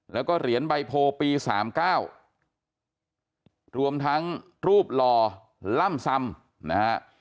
แล้วก็เหรียญใบโพปี๓๙รวมทั้งรูปหล่อล่ำซำนะฮะ